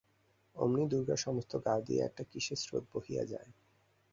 অমনি দুর্গার সমস্ত গা দিয়া একটা কিসের স্রোত বহিয়া যায়।